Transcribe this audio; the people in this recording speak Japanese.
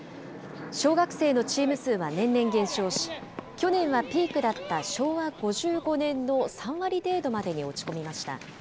小学生のチーム数は年々減少し、去年はピークだった昭和５５年の３割程度までに落ち込みました。